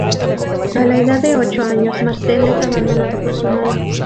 A la edad de ocho años Marcel es abandonado por su madre.